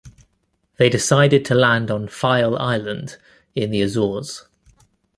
They decided to land on Faial Island in the Azores.